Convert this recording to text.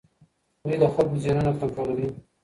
دوی د خلګو ذهنونه کنټرولوي.